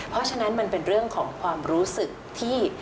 เพราะฉะนั้นมันเป็นเรื่องของความรู้สึกที่